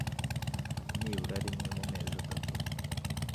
nibura rimwe mu mezi atatu